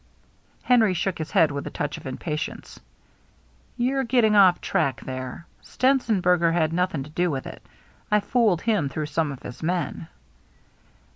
'* Henry shook his head with a touch of impa tience. " You're getting off the track there. Stenzenberger had nothing to do with it. I fooled him through some of his men."